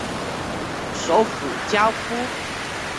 首府焦夫。